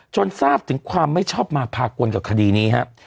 ทราบถึงความไม่ชอบมาพากลกับคดีนี้ครับ